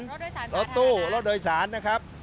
รถโดยสารสถานทางรถตู้รถโดยสารนะครับ